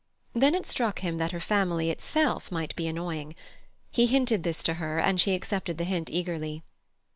Then it struck him that her family itself might be annoying. He hinted this to her, and she accepted the hint eagerly.